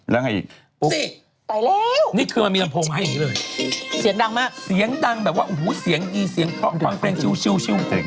ตีนี่คือสิมีลำพงให้เลยเสียงดังขนาดเงินแบบว่าโหเสียงดี